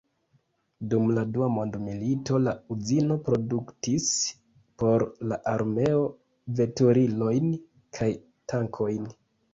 Dum la Dua mondmilito la uzino produktis por la armeo veturilojn kaj tankojn.